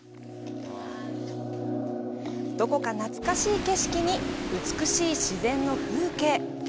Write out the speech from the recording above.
どこか懐かしい景色に美しい自然の風景。